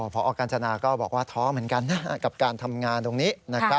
พอกัญจนาก็บอกว่าท้อเหมือนกันกับการทำงานตรงนี้